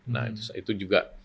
nah itu juga